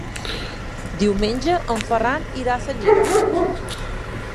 Diumenge en Ferran irà a Senyera.